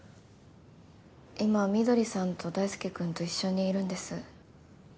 今翠さんと大輔君と一緒にいるんです。